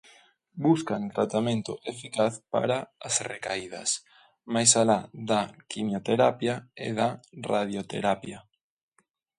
Buscan tratamento eficaz para as recaídas, máis alá da quimioterapia e da radioterapia.